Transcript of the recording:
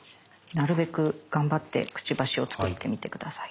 なるべく頑張ってくちばしを作ってみて下さい。